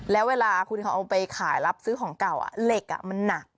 แล้วเวลาคุณเขาเอาไปขายรับซื้อของเก่าเหล็กมันหนัก